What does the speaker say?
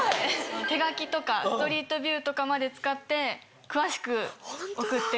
手書きとかストリートビューとかまで使って詳しく送ってくれてます。